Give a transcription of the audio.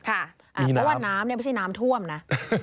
เพราะว่าน้ำเนี่ยไม่ใช่น้ำท่วมนะ